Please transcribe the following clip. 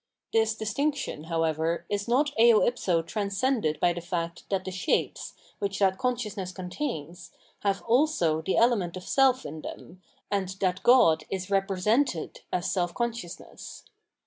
This distinction, however, is not eo ipso transcended by the fact that the shapes, which that consciousness contains, have also the element of self in them, and that God is represented as self consciousness.